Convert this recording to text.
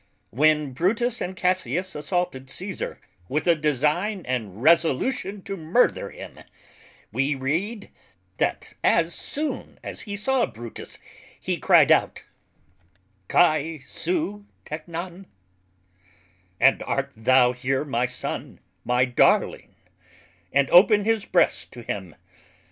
When Brutus and Cassius assaulted Cæsar with a design and resolution to murther him, we read, that as soon as he saw Brutus he cryed out, [Greek: Kai su teknon]; And art thou here my Son, my Darling? and opened his breast to him.